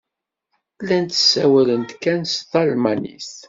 Llant ssawalent kan s talmanit.